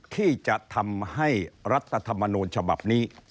ที่จะทำให้รัฐธรรมนูญฉบับนี้